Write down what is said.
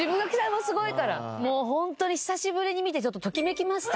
もうホントに久しぶりに見てちょっとときめきました。